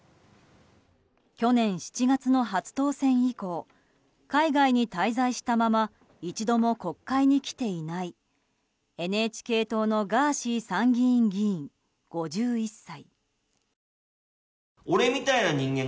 去年７月の初当選以降海外に滞在したまま一度も国会に来ていないＮＨＫ党のガーシー参議院議員、５１歳。